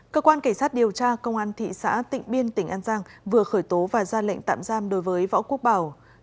cơ quan cảnh sát điều tra công an thị xã tịnh biên tỉnh an giang vừa khởi tố và ra lệnh tạm giam đối với võ quốc bảo